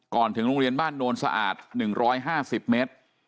ถึงโรงเรียนบ้านโนนสะอาด๑๕๐เมตร